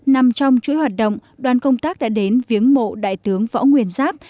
nằm trong chuỗi hoạt động đoàn công tác đã đến viếng mộ đại tướng võ nguyên giáp